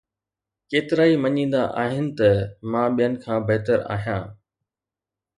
ڪيترائي مڃيندا آھن ته مان ٻين کان بھتر آھيان